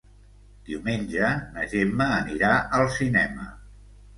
Diumenge na Gemma anirà al cinema.